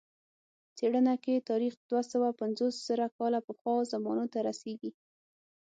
څېړنه کې تاریخ دوه سوه پنځوس زره کاله پخوا زمانو ته رسېږي.